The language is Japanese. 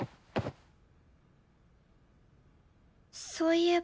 そういえば。